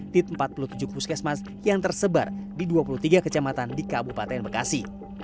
di empat puluh tujuh puskesmas yang tersebar di dua puluh tiga kecamatan di kabupaten bekasi